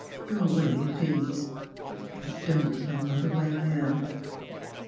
'' Go away, please; and — and don't tell Mother where I am."